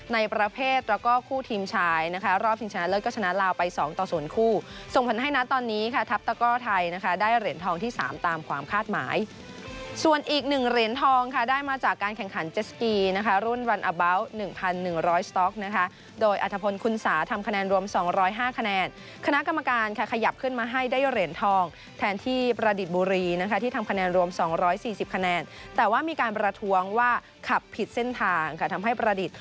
ในประเภทแล้วก็คู่ทีมชายนะคะรอบสิ่งชนะเลิศก็ชนะลาวไปสองต่อส่วนคู่ส่งผันให้นะตอนนี้ค่ะทับตะก้อไทยนะคะได้เหรียญทองที่สามตามความคาดหมายส่วนอีกหนึ่งเหรียญทองค่ะได้มาจากการแข่งขันเจสกีนะคะรุ่นวันอาบาวต์หนึ่งพันหนึ่งร้อยสต๊อกนะคะโดยอรรถพลคุณสาทำคะแนนรวมสองร้อยห้าคะแนนคณะกรรมการค่ะข